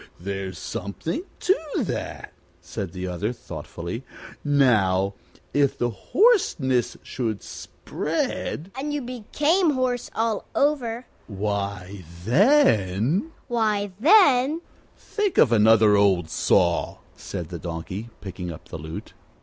"There's something to that," said the other, thoughtfully. "Now, if the hoarseness should spread " "And you became horse all over " "Why, then " "Why, then " "Think of another old saw," said the Donkey, picking up his lute.